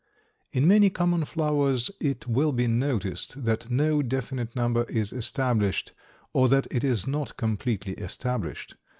In many common flowers it will be noticed that no definite number is established, or that it is not completely established.